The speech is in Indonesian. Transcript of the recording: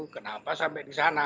kenapa sampai di sana